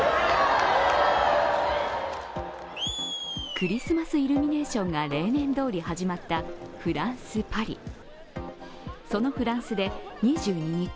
クリスマスイルミネーションが例年どおり始まったフランス・パリそのフランスで２２日